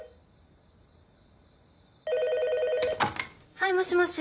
☎はいもしもし。